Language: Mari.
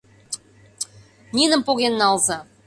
«Ниным поген налза!